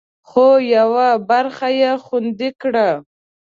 خو، یوه برخه یې خوندي کړه